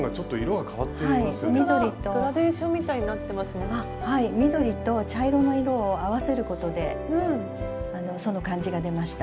はい緑と茶色の色を合わせることでその感じが出ました。